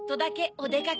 おでかけ？